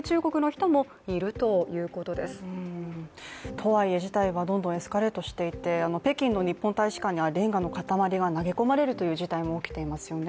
とはいえ、事態はどんどんエスカレートしていて北京の日本大使館にはレンガの塊が投げ込まれるという事態も起きていますよね。